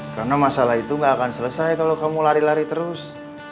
karena masalah itu gak akan selesai kalau kamu lari lari terus